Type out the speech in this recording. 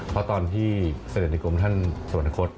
เพราะตอนที่เสด็จในกรมท่านสวรรคต